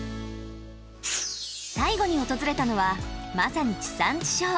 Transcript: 最後に訪れたのはまさに地産地消。